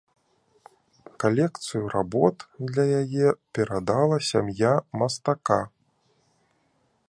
Калекцыю работ для яе перадала сям'я мастака.